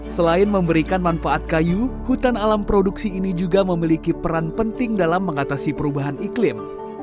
selain memberikan manfaat kayu hutan alam produksi ini juga memiliki peran penting dalam mengatasi perubahan iklim